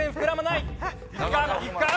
いくか？